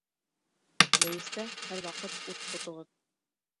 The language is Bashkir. Мейестә һәр ваҡыт ут тотоғоҙ